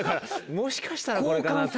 もしかしたらこれかなって。